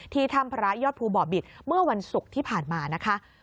ถ้ำพระยอดภูบ่อบิตเมื่อวันศุกร์ที่ผ่านมานะคะ